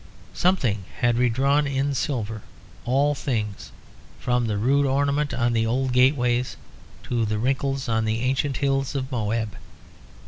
Something had redrawn in silver all things from the rude ornament on the old gateways to the wrinkles on the ancient hills of Moab.